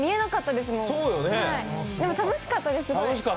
でも楽しかった。